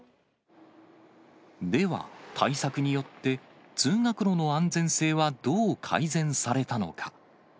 では、対策によって、通学路の安全性はどう改善されたのか。